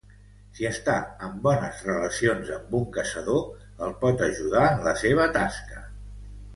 Si està en bones relacions amb un caçador, el pot ajudar en la seva tasca.